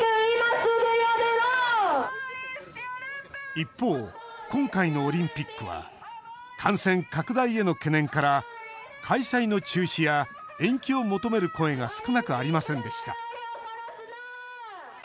一方、今回のオリンピックは感染拡大への懸念から開催の中止や延期を求める声が少なくありませんでした。